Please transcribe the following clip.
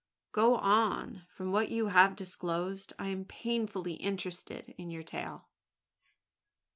"Go on! From what you have disclosed, I am painfully interested in your tale."